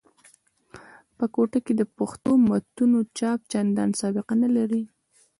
په کوټه کښي د پښتو متونو چاپ چندان سابقه نه لري.